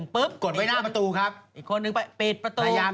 ไปหน้าประตูครับอีกคนนึงไปปิดประตู